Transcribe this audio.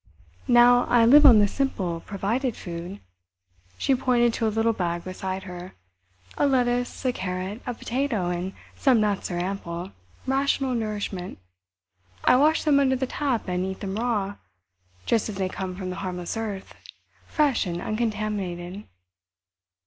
Now I live on the simple, provided food"—she pointed to a little bag beside her—"a lettuce, a carrot, a potato, and some nuts are ample, rational nourishment. I wash them under the tap and eat them raw, just as they come from the harmless earth—fresh and uncontaminated."